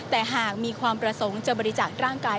แต่หากมีความประสงค์จะบริจาคร่างกาย